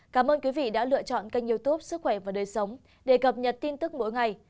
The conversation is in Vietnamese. cảm ơn quý vị đã lựa chọn kênh youtube sức khỏe và đời sống để cập nhật tin tức mỗi ngày